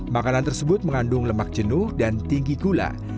makanan tersebut mengandung lemak jenuh dan tinggi gula